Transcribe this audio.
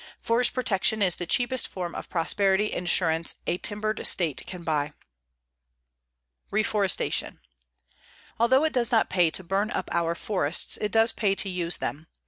Forest protection is the cheapest form of prosperity insurance a timbered state can buy. REFORESTATION Although it does not pay to burn up our forests, it does pay to use them.